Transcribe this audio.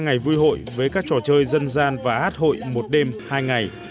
ngày vui hội với các trò chơi dân gian và hát hội một đêm hai ngày